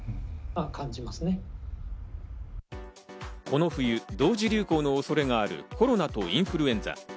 この冬、同時流行の恐れがあるコロナとインフルエンザ。